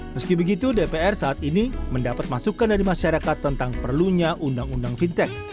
meski begitu dpr saat ini mendapat masukan dari masyarakat tentang perlunya undang undang fintech